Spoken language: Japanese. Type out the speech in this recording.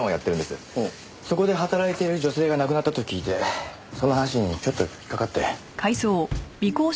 そこで働いている女性が亡くなったと聞いてその話にちょっと引っ掛かって。